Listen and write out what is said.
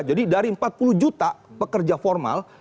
jadi dari empat puluh juta pekerja formal